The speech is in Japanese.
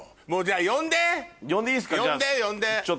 呼んで呼んで！